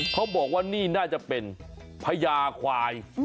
เขาบอกว่านี่น่าจะเป็นพญาควาย